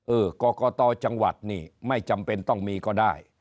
กรกตจังหวัดนี่ไม่จำเป็นต้องมีก็ได้